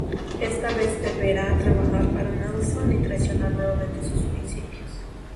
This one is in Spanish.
Esta vez deberá trabajar para Nelson y traicionar nuevamente sus principios.